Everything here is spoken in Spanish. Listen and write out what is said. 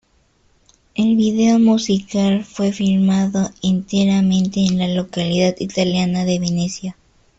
El vídeo musical fue filmado enteramente en la localidad italiana de Venecia.